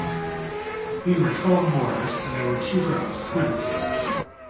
We were twelve boarders, and there were two girls, twins.